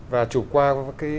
và chụp qua các cái